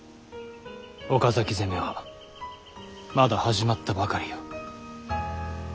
岡崎攻めはまだ始まったばかりよ。